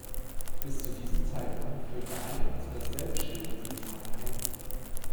Bis zu diesem Zeitpunkt führte Alfons dasselbe Schild wie sein Vater Heinrich.